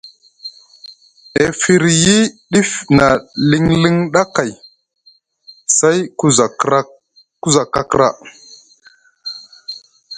E firyi ɗif na liŋliŋ ɗa kay, say ku za kakra.